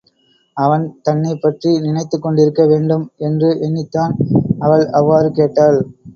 அவன் தன்னைப்பற்றி நினைத்துக் கொண்டிருக்க வேண்டும் என்று எண்ணித்தான், அவள் அவ்வாறு கேட்டாள்.